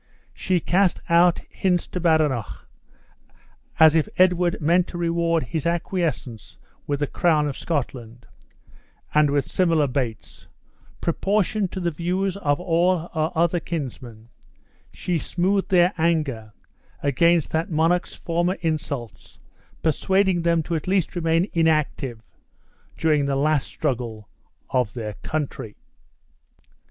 She cast out hints to Badenoch, as if Edward meant to reward his acquiescence with the crown of Scotland; and with similar baits, proportioned to the views of all her other kinsmen, she smoothed their anger against that monarch's former insults persuading them to at least remain inactive during the last struggle of their country.